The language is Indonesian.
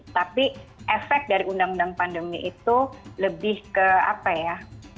tapi efek dari undang undang pandemi itu lebih ke apa ya